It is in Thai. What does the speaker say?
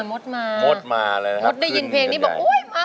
หมดมายินเพลงนี้มา